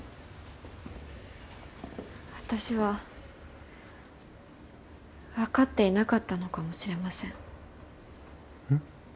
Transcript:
私はわかっていなかったのかもしれません。